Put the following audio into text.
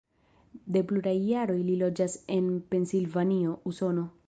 De pluraj jaroj li loĝas en Pensilvanio, Usono.